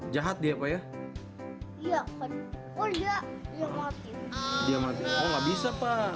jahat dia ya